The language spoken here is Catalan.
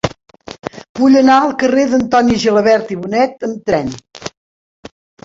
Vull anar al carrer d'Antoni Gilabert i Bonet amb tren.